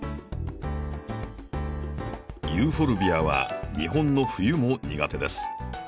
ユーフォルビアは日本の冬も苦手です。